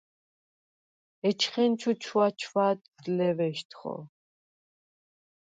ეჩხენჩუ ჩვაჩვადდ ლევეშთხო.